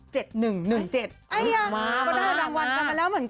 เจ็ดหนึ่งหนึ่งเจ็ดก็ได้รางวัลกันมาแล้วเหมือนกัน